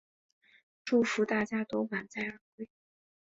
祝福大家都满载而归